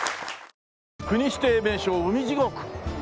「国指定名勝海地獄」